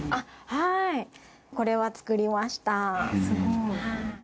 はい、これは作りました。